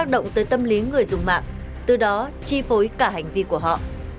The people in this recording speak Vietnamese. động tới tâm lý người dùng mạng từ đó chi phối cả hành vi của họ